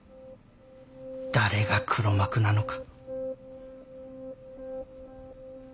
誰が黒幕なのか？